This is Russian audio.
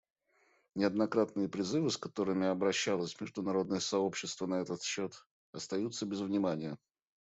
Неоднократные призывы, с которыми обращалось международное сообщество на этот счет, остаются без внимания.